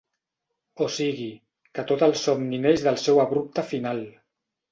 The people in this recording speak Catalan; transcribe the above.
O sigui, que tot el somni neix del seu abrupte final.